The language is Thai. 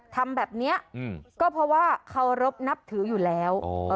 ทำแบบนี้ก็เพราะว่าเคารพนับถืออยู่แล้ว